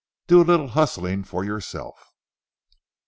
Do a little hustling for yourself."